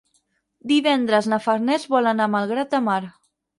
Divendres na Farners vol anar a Malgrat de Mar.